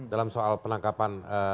dalam soal penangkapan